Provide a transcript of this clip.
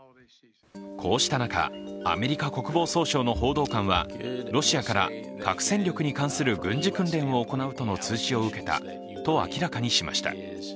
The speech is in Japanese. こうした中、アメリカ国防総省の報道官は、ロシアから核戦力に関する軍事演習を行うとの通知を受けたと明らかにしました。